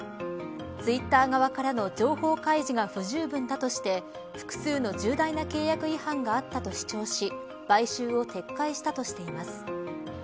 ツイッター側からの情報開示が不十分だとして複数の重大な契約違反があったと主張し買収を撤回したとしています。